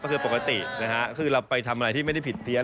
ก็คือปกตินะฮะคือเราไปทำอะไรที่ไม่ได้ผิดเพี้ย